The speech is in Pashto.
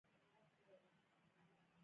د ستونزو حل ځینې وخت سخت وي.